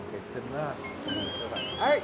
はい？